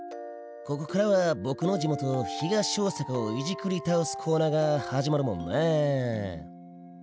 ここからは僕の地元東大阪をいじくり倒すコーナーが始まるもんね。